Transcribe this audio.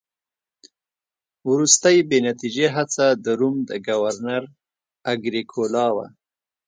وروستۍ بې نتیجې هڅه د روم د ګورنر اګریکولا وه